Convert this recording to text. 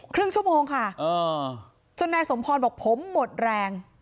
ครึ่งชั่วโมงค่ะจนนายสมพรบอกผมหมดแรง